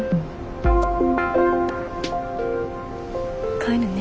帰るね。